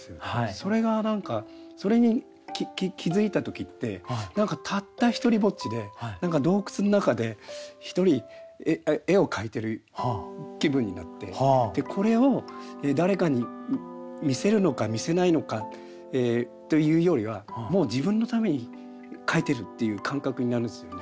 それが何かそれに気付いた時ってたった独りぼっちで洞窟の中で一人絵を描いてる気分になってこれを誰かに見せるのか見せないのかというよりはもう自分のために描いてるっていう感覚になるんですよね。